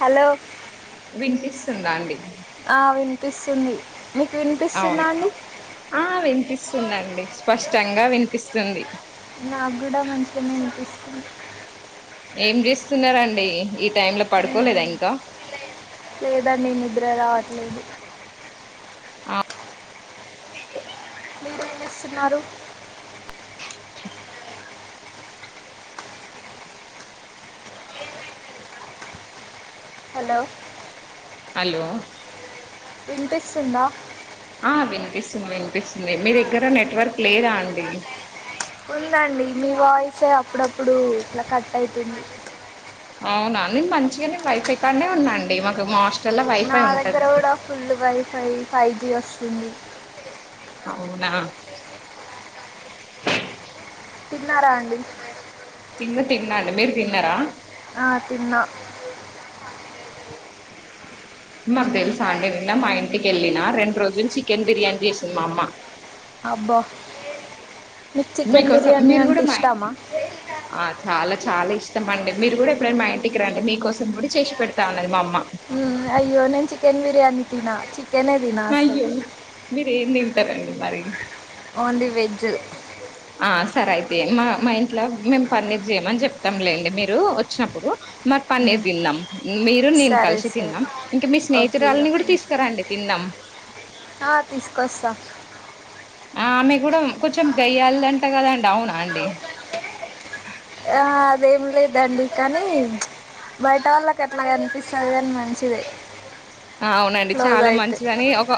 Hello వినిపిస్తుందా అండి ఆ వినిపిస్తుంది మీకు వినిపిస్తుందా అవును అండి ఆ వినిపిస్తుందండి స్పష్టంగా వినిపిస్తుంది నా కూడా మంచిగనే వినిపిస్తుంది ఏం చేస్తున్నారండి ఈ టైం ల పడుకోలేదా ఇంకా ద్ర రావట్లేదు ఆ మీరేం జేస్తున్నారు హలో హలో వినిపిస్తుందా ఆ వినిపిస్తుంది వినిపిస్తుంది మీ దగ్గర నెట్వర్క్ లేదా అండి ఉందండి మీ వాయిసే అప్పుడప్పుడు ఇట్లా కట్ ఐతుంది అవునా నేను మంచిగా నేను వైఫే కానేే ఉన్నాండి మాకు మాష్ నా దగ్గర కూడా ఫుల్ వైఫై ఫై జీ వస్తుంది అవునా తిన్నారా అండి తిన్న తిన్న అండి మీరు తిన్నార ఆ తిన్న మాకు తెలుసా అండి నిన్న మా ఇంటికి ఎళ్ళిన రెండు రోజులు చికెన్ బిర్యానీ చేసింది మా అమ్మ అబ్బ మీకోసం మీరు కూడా మా ఇం ఆ చాలా చాలా ఇష్టం అండి మీరు కూడా ఎప్పుడైనా మా ఇంటికి రండి మీకోసం కూడా చేసి పెడతా అన్నది మా అమ్మ ఊ అయ్యో నేను చికెన్ బిర్యానీ తిన చిక్ అయ్యో మీరేం తింటరండి మరి ఓన్లీ వెజు ఆ సరే అయితే మా మా ఇంట్ల గినన్ పన్నీర్ చేయమని చెప్తం లేండి మీరు వచ్చినప్పుడు మరి పన్నీర్ ఉమ్ తిన్నాం మీరు నేను సరే కలిసి సరే తిన్నాం ఇంకా మీ ఓకే స్నేహితురాలని కూడా ఓకే తీసుకరండి తిన్నాం ఆ తీసుకొస్తా ఆమె కూడా కొంచెం గయ్యాల్దంట కదండి అవునా అండి. ఆ అదేం లేదండి కనీ ప్చ్ బయట వాళ్ళకి ఎట్లా కనిపిస్తది కని మంచిదే ఆ! అవునండి క్లోజ్ చాలా అయితే మంచిదని ఒక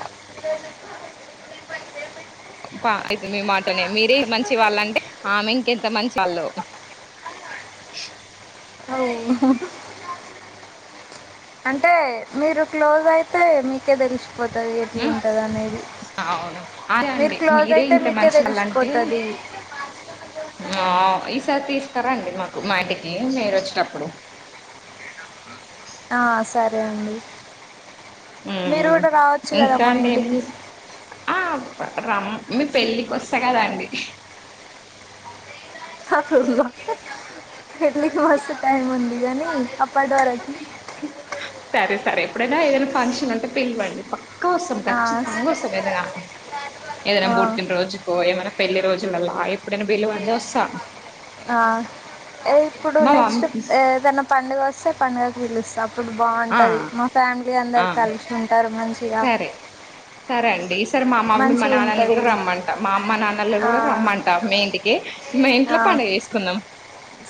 ప ఇపుడు మీ మాటనే మీరే మంచి వాళ్ళ అంటే ఆమె ఇంకెంత మంచి వాల్లో అవ్ అంటే మీరు క్లోజ్ అయితే మీకే తెలుస్తుంది పోతది ఎట్లు ఉమ్ ఉంటద అనేసి అవును అదె అండి మీరే ఇంత మీకే మంచోళ్ళు అంటే తెలిసిపోతది ఆ ఇసారి తీస్ స్తారా అండి మాకు మా ఇంటికి మీరు వచ్చేనప్పుడు ఆ సరే అండి మీరు ఉమ్ కూడా రావచ్చు కదా ఇంకా మా అండి ఇంటికి ఎమిటి సం ఆ ఆప్ప రమ్ మీ పెళ్ళికి వస్తా కదాండి పెళ్లి కి మస్త్ టైమ్ ఉంది గానీ [inaudible] సరే సరే ఎప్పుడైనా ఏదైనా ఫంక్షన్ ఉంటే పిలవండి ప క్క వస్తాం ఆ కచ్చితంగా వస్తాం ఏదైనా ఏదైనా ఆ పుట్టిన రోజుకో ఏమైనా పెళ్లి రోజు యతే ఆ ఇప్పుడు మా నెక్సట్ మమ్మీ ఏదైన పండుగ వస్తే పండగ కి పిలుస్తాం ఇప్పుడు ఆ బావుంటది మా ఫ్యామిలీ అందరు ఆ కలిసి ఉంటారు మంచిగా సరే అండి సరే మా మమ్మీ మా మంచిగా నాన్నని కూడా ఉంటది రమ్మంటా మా అమ్మ నాన్నలు ఆ కూడా రమ్మంటా మీ ఇంటికి మీ ఆ ఇంట్లో పండుగ చేేసుకుందాం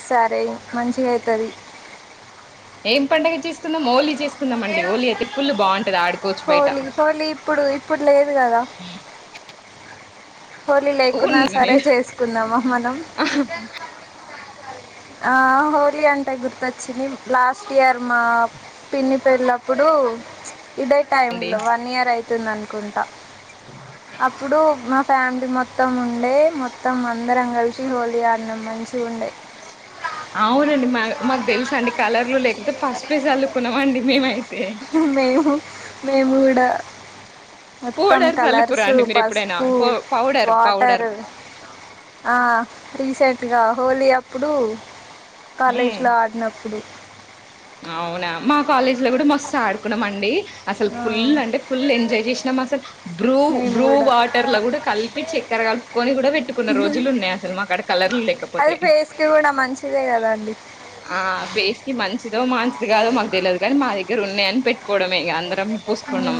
సరే మంచిగా అయితది ఏం పండుగ చేస్తున్నా హోళి చేస్తున్నా బయట హోలీ హోళీ ఇప్పుడు ఇప్పుడు లేదు కదా [inaudible] హోలీ లేకున్నా అవునండి సరే చేసుకుందామ మనం ఆ హోలీ అంటే గుర్తొచ్చింది లాస్ట్ ఇయర్ మా పిన్ని పెళ్ళప్పుడు ఉ ఇదే టైమ్ లో వన్ ఇయర్ అయితుంది అనుకుంటా అప్పుడు మా ఫ్యామిలీ మొత్తం ఉండే మొత్తం అందరం కలిసి హోలీ ఆడినాం మంచి గా ఉండే అవునండి మా మాకు తెలుసు అండి కలర్లు లేకపోతే పసుపె చల్లుకున్నామండి మేమైతే మేము మేము కూడా మొత్తం పౌడర్ చల్లుకురా కలర్సు అండి మీరు ఎప్పుడైనా పసుపు పౌ పౌడర్ పౌడర్ వాటర్ ఆ రీసెంట్ హోలీ అప్పుడు కాలేజ్ లో ఆడినప్పుడు అవునా మా కాలేజీ లో కూడా మస్తు ఆడుకున్నాం అండి అసలు ఆ, ఫుల్ అంటే ఫుల్ ఎంజాయ్ చేసినాం అసలు బ్రూ మేము బ్రూ కూడా వాటర్ లో కూడా కలిపి చెక్క ర కలుపుకొని కూడా పెట్టుకున్న రోజులు ఉన్నాయి అసలు మాకాడ కలర్లు అది లేకపోతే ఫేస్కి కూడా మంచిదే కదండి ఆ ఫేస్కి మంచిదో మంచిది కాదో మాకు తెలియదు కానీ మా దగ్గర ఉన్నాయని పెట్టు కోవడేమే అందరం పూసుకున్నాం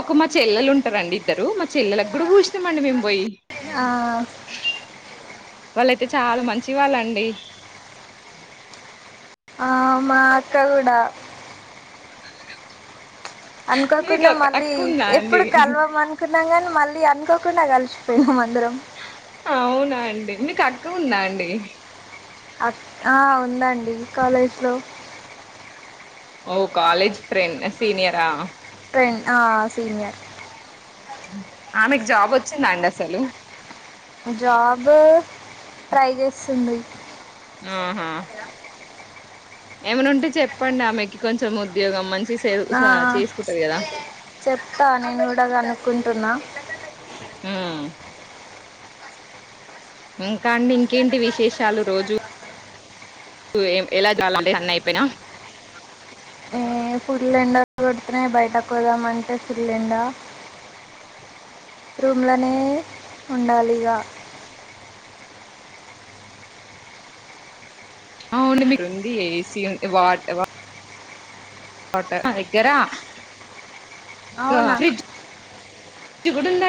ఒక మ చెల్లెలు ఉంటారండి ఇద్దరు మ చెల్లలకు కూడా పూసినామండి మేము పోయి ఆ, వాళ్ళయితే చాలా మంచి వాళ్ళండి ఆ మా అక్కకూడా మీకు అనుకోకుండా ఒక మళ్ళీ అక్క ఉందా అండి ఎప్పుడు కలవము అనుకున్నాం కానీ మళ్ళీ అనుకోకుండా కలిసిపోయినం అందరం అవునా అండి మీకు అక్క ఉందా అండి అ ఉందండి కాలేజ్ లో ఓ కాలేజ్ ఫ్రెండ్ సీనియరా ఫ్రెండ్ ఆ సీనియర్ ఆమెక్ జాబొచ్చిందాండసలు జాబూ ట్రై జేస్తుంది ఆహా ఏమన్నుంటె చెప్పండామెకి కొంచెం ఉద్యోగం మంచి సే ఆ చేసుకుంటది కదా చెప్తాను [unintelligible] డగనుకుంటున్నా ఉమ్ [inaudible] ఇంకా అండి ఇంకేంటి విశేషాలు రోజు లేట్ ఎలా చాలండి అన్నయిపొయినా ఏ ఫుల్లెండ కొడుతున్నయి బయటకు పొదామంటే ఫుల్లెండ రూమ్లనే ఉండాలిగా అవును మీకుందీ ఏసీ ఉన్ వాట్ వా [inaudible] దగ్గరా అవున గుడుంద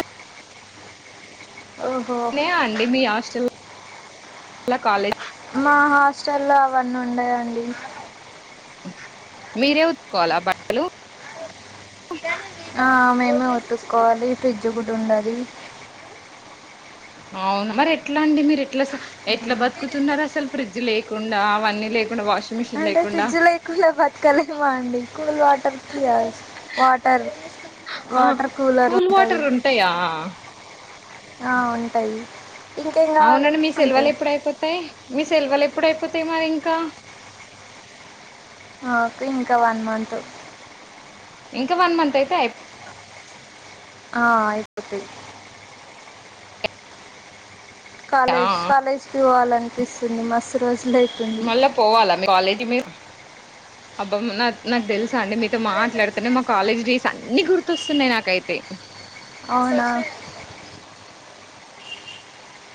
ఓహో నే అండి మీ హాస్టల్ల కాలెజ్ మా హాస్టల్లో అవన్నుండయండి మీరే ఉతుక్కోవాలా బట్టలు ఆ మేమే ఉతుక్కోవాలి ఫ్రిడ్జ్ గూడుండదీ ఎట్లండి మీరెట్లస ఎట్ల బతుకుతున్నరఅసలు ఫ్రిడ్ లేకుండా అవన్ని అంటె ఫ్రిడ్జ్ లేకుండా బతకలేమా అండి కూల్ వాటర్కిగ వాటర్ ఆ వాటర్ కూలర్ కూల్ వాటరుంటయా ఆ ఉంటై అవునండి మీ సెలవలెప్పుడయిపోతయ్ మీ సెల్వలెప్పుడయిపోతయి మరి ఇం క మాకు ఇంక వన్ మంత్ ఇంక వన్ మంతయితే అయి ఆ అయిపోతయ్ అయిపోయా కాలేజ్ కాలేజ్కి పోవాలనిపిస్తుంది మస్త్ రోజు మళ్ళ పోవాలా మీ కాలేజీ మీరు అబ్బమ్ నా నాగ్ దెల్సు అండి మితో మాట్లాడుతనే మా కాలేజ్ డేస్ అన్ని గుర్తొస్తున్నాయ్ నాకైతే అవునా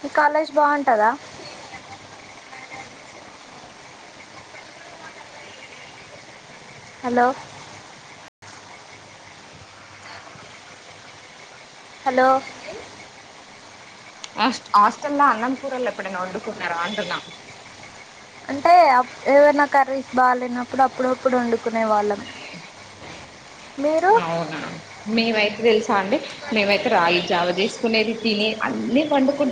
ఇఈ కాలేజ్ బావుంటదా హలో హలో హస్ హాస్టల్ల అన్నం కూరల్ ఎప్పుడన్నా వండుకున్నారా అంటున్న అంటే అప్ ఏవైనా కర్రీస్ బాగలేనప్పుడు అప్పుడప్పుడు ఒండుకునే వాళ్ళం మీరు అవున మేమయితె దెలుసా అండి మేమైతే రాగి జావ జేసుకునేది తిని అన్నీ వండుకు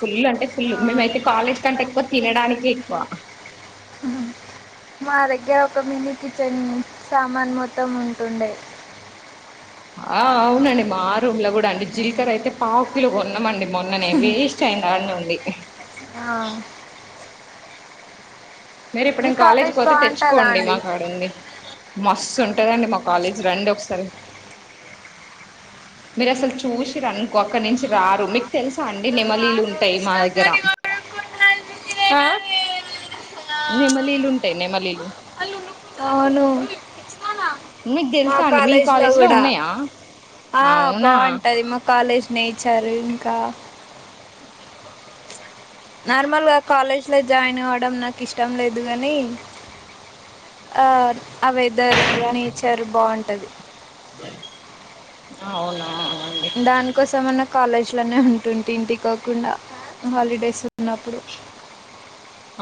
ఫుల్లంటె ఫుల్లు ఆ, మేమైతే కాలేజ్ కంటేక్కువ తినడానికేక్కువ [inaudible] గ్గర ఒక మినీ కిచెన్ సామాన్ మొత్తం ఉంటుండే ఆ అవునండి మా రూమ్ల గూడండి జీలకరయితే పావుకిలో గొన్నమన్ మొన్ననేబీస్ చైన్ ఆడ్నే ఉంది ఆ మీ మీరెప్పుడన్న కాలేజ్ పోతే బాగుంటుందా తెచ్చుకోండి అండి మాకాడుంది మస్తు ఉంటదండి మా కాలేజ్ రండి ఒక సరే మీరసల్ చూసిరన్కో అక్కడ్ నుంచి రారు మిక్ తెల్సా అండి నెమలీలుమ్టాయి మా దగ్గర ఆ? నెమలీలు ఉంటాయి నెమలీలు అవును మీకు మా తెలుసా అండి మీ కాలేజ్ లో గుడా ఉన్నాయా ఆ అవునా బాంటది మా కాలేజ్ నేచర్ ఇంకా నార్మల్గా కాలేజ్లో జాయిన్ గావడం నాకు ఇష్టం లేదు కానీ ఆ ఆ వెదర్ ఆ నేచర్ బాంటది అవునా అవునండి దానికోసంమన్నా కాలేజ్ లోనే ఉంటుంటి ఇంటికోకుండా హాలిడే సున్నప్పుడు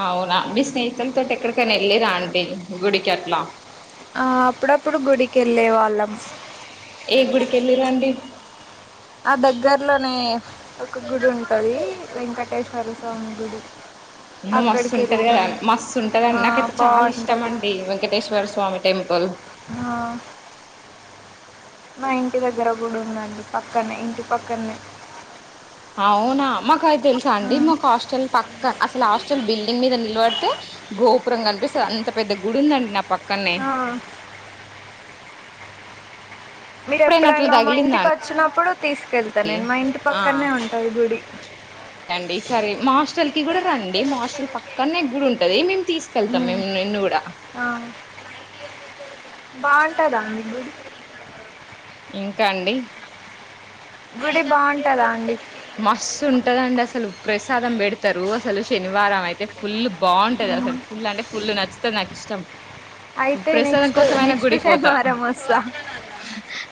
అవునా మీ స్నేహితుల్ తోటెఎక్కడికైనా వెళ్ళిరా అండి గుడికి అట్లా ఆ అప్పుడప్పుడు గుడికెళ్ళే వాళ్ళం ఏ గుడికెళ్ళిరండి ఆ దగ్గర్లోనే ఒక గుడుంటది వెంకటేశ్వర స్వామి గుడి మస్తు అక్కడికి ఉంటది కదా వెళ్ళినాం మస్తు ఉంటదండి నాకైతే చాలా ఇష్టం బాగుంటుంది అండి వెంకటేశ్వర స్వామి టెంపు ల్ ఆ మా ఇంటి దగ్గర ఓ గుడుందండి పక్కనే ఇంటి పక్కల్నే అవునా మాకు అయి తెలుసా అండి మాకాహాస్టల్ పక్క అసలాస్టల్ బిల్డింగ్ మీద నిలబడితే గోపురం కనిపిస్తది అంత పెద్ద గుడి ఉందండి నా పక్ ఆ ఎప్పుడైనా అట్లా మీరెప్పుడైనా మా తగిలిందా అండి ఇంటికొచ్చినప్పుడు తీస్కెళ్తా నేను మా ఇంటి పక్కల్నే ఉంటా ఈ గుడి రండి చల్ కి కూడా రండి మాఆస్టల్ పక్కనే గుడుంటది మేమ్ తీసుకెళ్తాం మేమ్ నిన్ను గుడా బాంటదా అండి గుడి ఇంకా అండి గుడి బాంటదా అండి మస్తుంటదండి అసలు ప్రసాదం పెడతారు అసలు శనివారం అయితే ఫుల్ బామ్టది అసలు ఫుల్ అంటే ఫుల్లు నచ్చుతది నాకిష్టం అయితే ప్రసాదం నెక్స్ట్ కోసం అయినా నెక్స్ట్ గుడిక్ పోత శనివారం వస్తా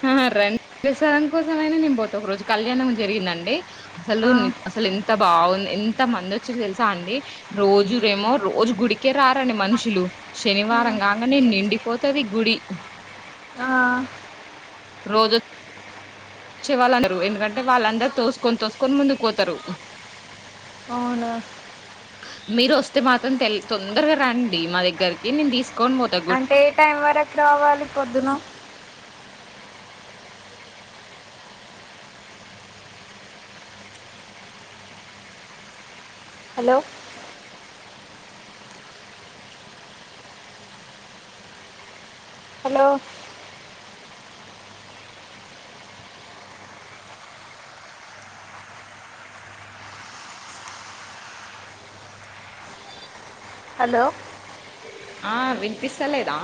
ఆహా రం ప్రసాదం కోసమైనా నేన్పోతే ఒక రోజు కళ్యాణం జరిగిందండి అసలు అసలేంత బాగుం ఎం త మందొచిర్ తెలుసా అండి రోజురేమో రోజు గుడి కి రారండి మనుషులు శనివారం కాంగనే నిండిపోతది గుడి ఆ రోజు వచ్చే వాళ్ళందరూ ఎందుకంటే వాళ్ళందరు తోసుకొని తోసుకొని ముందుకు పోతరు అవునా మీరోస్తే మాత్రం తెల్ తొందరగా రాండి మా దగ్గరికి నేన్ తీసుకొని పోతా గుడ్ ఎట్ల రావాలి పొద్దున హలో హలో హలో ఆ వినిపిస్సలేదా?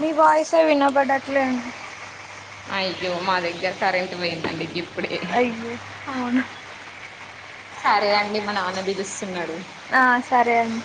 మీ వాయిసే వినబడట్లేండి అయ్యో మా దగ్గర కరెంట్ పోయిందండి ఇప్పుడే అయ్యో అవును సరే అండి మా నాన్న పిలిస్తున్నాడు. ఆ సరే అండి